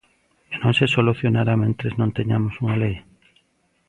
E non se solucionará mentres non teñamos unha lei.